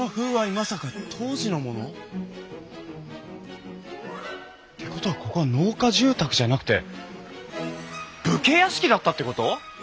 まさか当時のもの？ってことはここは農家住宅じゃなくて武家屋敷だったってこと！？